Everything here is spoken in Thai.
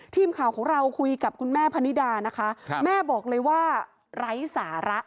ทีมข่าวของเราคุยกับคุณแม่พนิดานะคะแม่บอกเลยว่าไร้สาระ